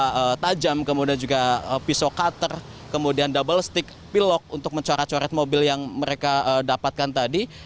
senjata tajam kemudian juga pisau cutter kemudian double stick pilok untuk mencoret coret mobil yang mereka dapatkan tadi